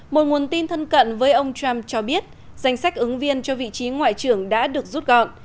một nguồn tin thân cận với ông trump cho biết danh sách ứng viên cho vị trí ngoại trưởng đã được rút gọn